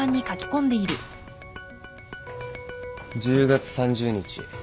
１０月３０日。